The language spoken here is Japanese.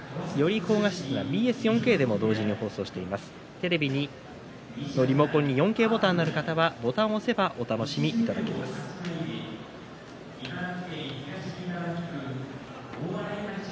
テレビのリモコンに４Ｋボタンがある方はボタンを押せばお楽しみいただける４Ｋ放送です。